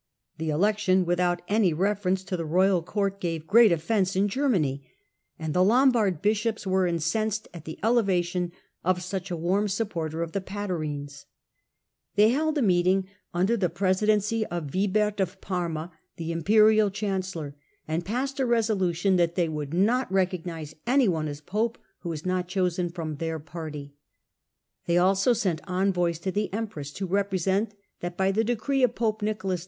The election without any reference to the royal court gave great offence in Germany, and the Lombard bishops were incensed at the elevation of such a warm supporter of the Fatarines. They held a meeting under Digitized by VjOOQIC $6 HiLDEBRAND the presidency of Wibert of Parma, the imperial chan cellor, and passed a resolution that they would not re Discontent cognise anyone as pope who was not chosen indoJS?'^^ from their party. They also sent envoys to "*°y the empress, to represent that by the decree of pope Nicolas II.